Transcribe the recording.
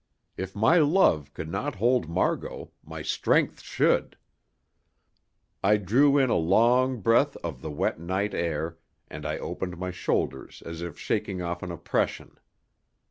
If my love could not hold Margot, my strength should. I drew in a long breath of the wet night air, and I opened my shoulders as if shaking off an oppression.